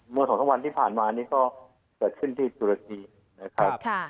เมื่อสองสามวันที่ผ่านมานี้ก็เกิดขึ้นที่ตุรกีนะครับ